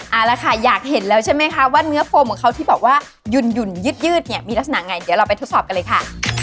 เอาละค่ะอยากเห็นแล้วใช่ไหมคะว่าเนื้อโฟมของเขาที่บอกว่าหยุ่นยืดเนี่ยมีลักษณะไงเดี๋ยวเราไปทดสอบกันเลยค่ะ